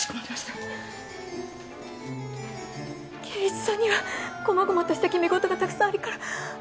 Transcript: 圭一さんにはこまごまとした決め事がたくさんあるから。